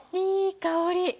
いい香り！